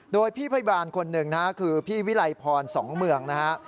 โดยพี่พยาบาลคนหนึ่งนะฮะคือพี่วิไลพรสองเมืองนะฮะ